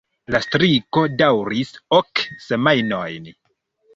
La striko daŭris ok semajnojn.